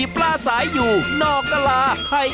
กะเพราทอดไว้